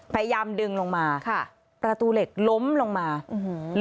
พยายามดึงลงมาค่ะประตูเหล็กล้มลงมาอื้อหือ